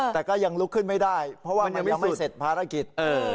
แต่ก็ยังลุกขึ้นไม่ได้เพราะว่ามันยังไม่เสร็จภารกิจ